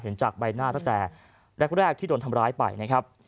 จากใบหน้าตั้งแต่แรกที่โดนทำร้ายไปนะครับ